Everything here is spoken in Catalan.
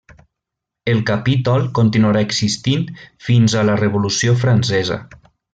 El capítol continuarà existint fins a la revolució francesa.